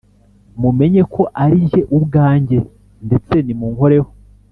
mumenye ko ari jye ubwanjye Ndetse nimunkoreho